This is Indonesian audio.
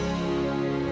sampai jumpa di due